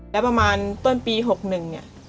แล้วประมาณต้นปี๖๑เนี่ย